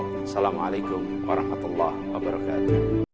assalamualaikum warahmatullahi wabarakatuh